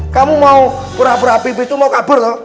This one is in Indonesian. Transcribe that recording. kamu mau pura pura pipis tuh mau kabur lho